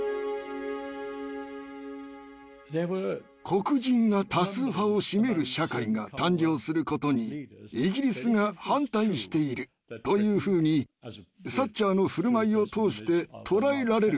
「黒人が多数派を占める社会が誕生することにイギリスが反対している」というふうにサッチャーの振る舞いを通して捉えられる危険性がありました。